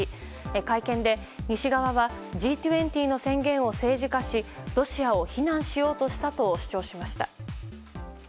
会見で西側はＧ２０の宣言を政治化しロシアを非難しようとしたと主張しました。